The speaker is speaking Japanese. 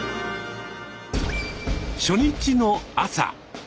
初日の朝。